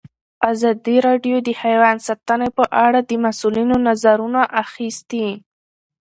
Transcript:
ازادي راډیو د حیوان ساتنه په اړه د مسؤلینو نظرونه اخیستي.